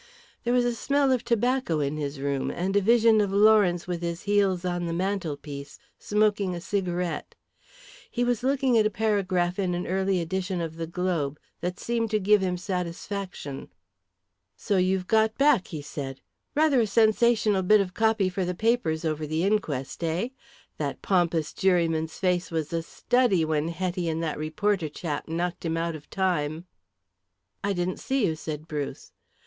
There was a smell of tobacco in his room and a vision of Lawrence with his heels on the mantelpiece smoking a cigarette. He was looking at a paragraph in an early edition of the Globe that seemed to give him satisfaction. "So you've got back," he said. "Rather a sensational bit of copy for the papers over the inquest, eh? That pompous juryman's face was a study when Hetty and that reporter chap knocked him out of time." "I didn't see you," said Bruce.